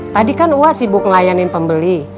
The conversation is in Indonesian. tadi kan ua sibuk ngelayanin pembeli